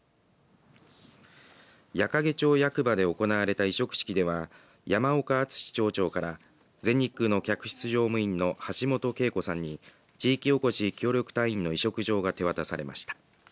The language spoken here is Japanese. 矢掛町役場で行われた委嘱式では山岡敦町長から全日空の客室乗務員の橋本慶子さんに地域おこし協力隊員の委嘱状が手渡されました。